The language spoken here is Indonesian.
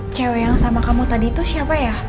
cewek yang sama kamu tadi itu siapa ya